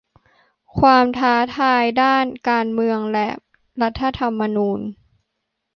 ความท้าทายด้านการเมืองและรัฐธรรมนูญ